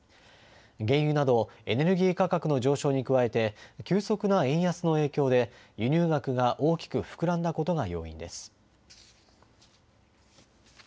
原油などエネルギー価格の上昇に加えて急速な円安の影響で輸入額が大きく膨らんだことが要因です。